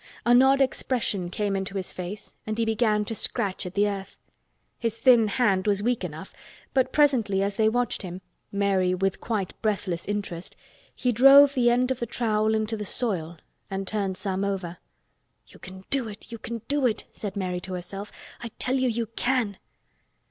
An odd expression came into his face and he began to scratch at the earth. His thin hand was weak enough but presently as they watched him—Mary with quite breathless interest—he drove the end of the trowel into the soil and turned some over. "You can do it! You can do it!" said Mary to herself. "I tell you, you can!"